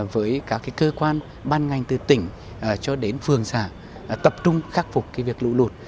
với các cơ quan ban ngành từ tỉnh cho đến phường xã tập trung khắc phục việc lụ lụt